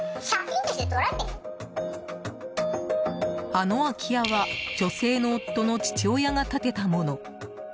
あの空き家は女性の夫の父親が建てたもの。